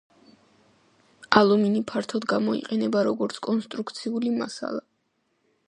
ალუმინი ფართოდ გამოიყენება როგორც კონსტრუქციული მასალა.